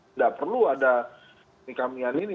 tidak perlu ada kekamian ini